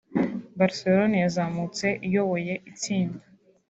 Barcelone yazamutse iyoboye itsinda